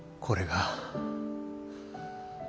これが。